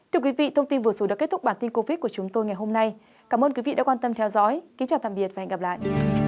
cảm ơn các bạn đã theo dõi và hẹn gặp lại